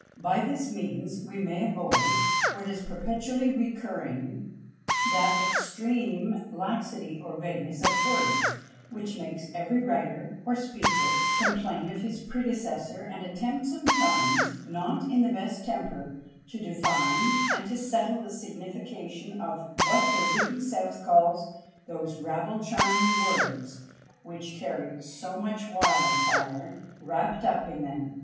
By this means we may avoid, what is perpetually recurring, that extreme laxity or vagueness of words, which makes every writer, or speaker, complain of his predecessor, and attempt sometimes, not in the best temper, to define and to settle the signification of what the witty South calls "those rabble charming words, which carry so much wildfire wrapt up in them."